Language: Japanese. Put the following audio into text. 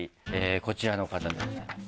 こちらの方でございます。